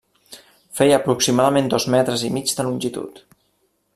Feia aproximadament dos metres i mig de longitud.